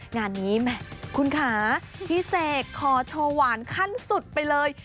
งานนี้แหมคุณค่ะพี่เสกขอโชว์หวานขั้นสุดไปเลย